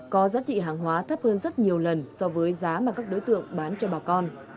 có giá trị hàng hóa thấp hơn rất nhiều lần so với giá mà các đối tượng bán cho bà con